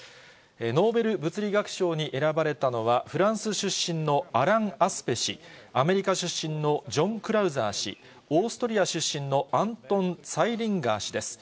ノーベル物理学賞に選ばれたのは、フランス出身のアラン・アスペ氏、アメリカ出身のジョン・クラウザー氏、オーストリア出身のアントン・ツァイリンガー氏です。